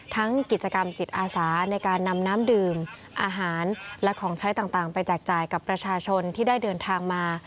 กิจกรรมจิตอาสาในการนำน้ำดื่มอาหารและของใช้ต่างไปแจกจ่ายกับประชาชนที่ได้เดินทางมา